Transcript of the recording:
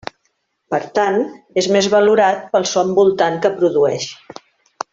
Per tant, és més valorat pel so envoltant que produeix.